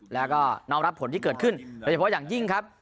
แล้วก็น้องรับผลที่เกิดขึ้นโดยเฉพาะอย่างยิ่งครับ